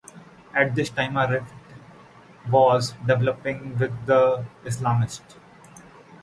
At this time, a rift was developing with the Islamists.